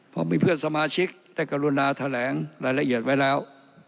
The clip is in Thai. ผมมีเพื่อนสมาชิกได้กรุณาแถลงรายละเอียดไว้แล้ว